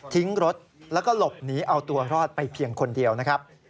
รถแล้วก็หลบหนีเอาตัวรอดไปเพียงคนเดียวนะครับ